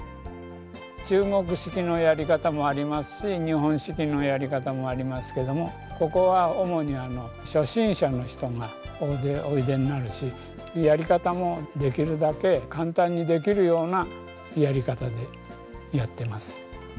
中国式のやり方もありますし日本式のやり方もありますけどもここは主に初心者の人が大勢おいでになるしやり方もできるだけ簡単にできるようなやり方でやってます。